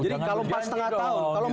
jadi kalau empat lima tahun